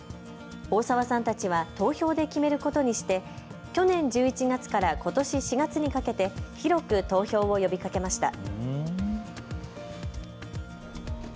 大沢さんたちは投票で決めることにして、去年１１月からことし４月にかけて広く投票を呼びかけました。